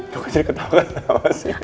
kok jadi ketawa ketawa sih